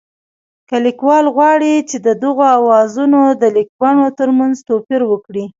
که لیکوال غواړي چې د دغو آوازونو د لیکبڼو ترمنځ توپیر وکړي